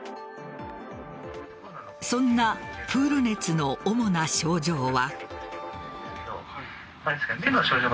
そんなプール熱の主な症状は。